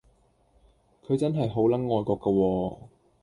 佢真係好撚愛國㗎喎